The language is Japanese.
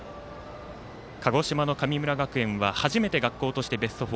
鹿児島の神村学園は初めて学校としてベスト４。